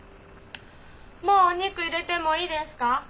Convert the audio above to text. もうお肉入れてもいいですか？